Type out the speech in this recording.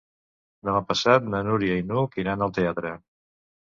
Demà passat na Núria i n'Hug iran al teatre.